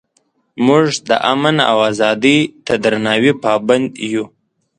موږ د امن او ازادۍ ته درناوي پابند یو.